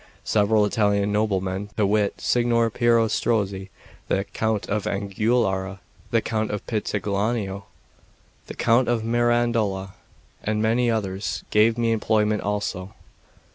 Several Italian noblemen, to wit, Signor Piero Strozzi, the Count of Anguillara, the Count of Pitigliano, the Count of Mirandola, and many others, gave me employment also.